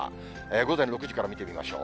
午前６時から見てみましょう。